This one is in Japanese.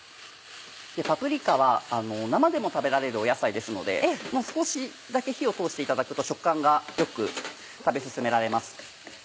パプリカは生でも食べられる野菜ですので少しだけ火を通していただくと食感が良く食べ進められます。